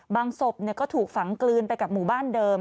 ศพก็ถูกฝังกลืนไปกับหมู่บ้านเดิม